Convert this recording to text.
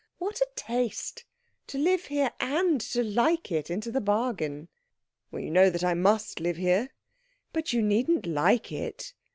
What a taste, to live here and to like it into the bargain!" "You know that I must live here." "But you needn't like it."